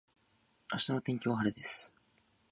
明日の天気は晴れです。